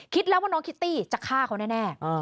คิดแล้วว่าน้องคิตตี้จะฆ่าเขาแน่